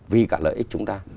vì cả lợi ích chúng ta